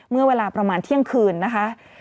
เมื่อเวลาประมาณเที่ยงคืนนะคะ